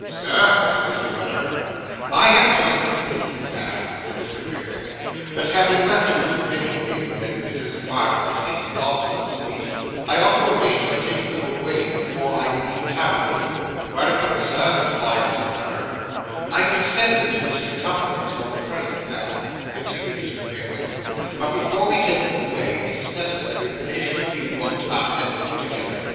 'Sir,' said Mr. Weller. 'I have just been thinking, Sam,' said Mr. Pickwick, 'that having left a good many things at Mrs. Bardell's, in Goswell Street, I ought to arrange for taking them away, before I leave town again.' 'Wery good, sir,' replied Mr. Weller. 'I could send them to Mr. Tupman's, for the present, Sam,' continued Mr. Pickwick, 'but before we take them away, it is necessary that they should be looked up, and put together.